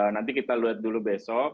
nanti kita lihat dulu besok